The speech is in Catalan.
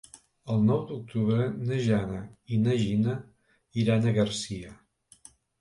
El nou d'octubre na Jana i na Gina iran a Garcia.